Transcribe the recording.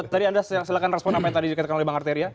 tadi anda silahkan respon apa yang tadi dikatakan oleh bang arteria